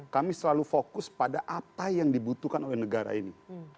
kami selalu fokus pada apa yang dibutuhkan oleh negara ini